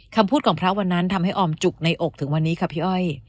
คำพูดของพระวันนั้นทำให้ออมจุกในอกถึงวันนี้ค่ะพี่อ้อย